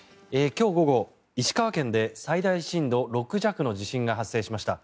今日午後、石川県で最大震度６弱の地震が発生しました。